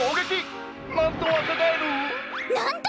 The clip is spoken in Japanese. なんと！